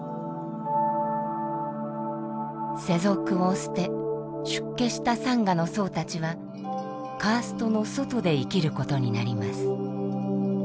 世俗を捨て出家したサンガの僧たちはカーストの外で生きることになります。